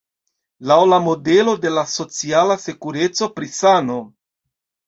Laŭ la modelo de la "Sociala Sekureco" pri sano.